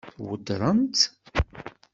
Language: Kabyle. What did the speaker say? Tweddṛemt-tt?